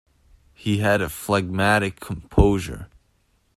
He had a phlegmatic composure.